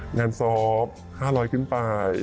งานซอฟท์๕๐๐ขึ้นไป